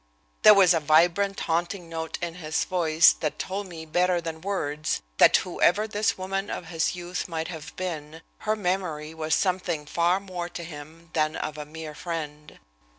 There was a vibrant, haunting note in his voice that told me, better than words, that, whoever this woman of his youth might have been, her memory was something far more to him than of a mere friend.